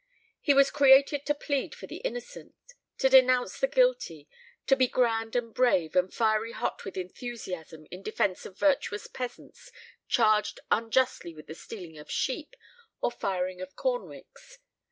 He was created to plead for the innocent, to denounce the guilty, to be grand and brave and fiery hot with enthusiasm in defence of virtuous peasants charged unjustly with the stealing of sheep, or firing of corn ricks.